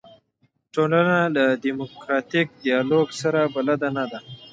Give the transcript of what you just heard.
ټولنه له دیموکراتیک ډیالوګ سره بلده نه ده.